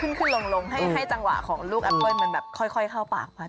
เออขึ้นลงให้จังหวะของลูกอับก้อยมันแบบค่อยเข้าปากมา